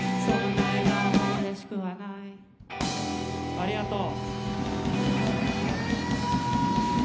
ありがとう！